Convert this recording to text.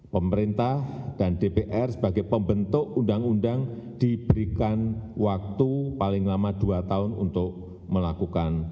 pemerintah dan dpr sebagai pembentuk undang undang diberikan waktu paling lama dua tahun untuk melakukan